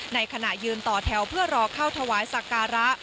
ในขณะยืนต่อแถวเพื่อรอเข้าถวายสักการะ